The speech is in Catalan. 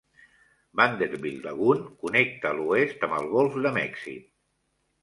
Vanderbilt Lagoon connecta a l'oest amb el golf de Mèxic.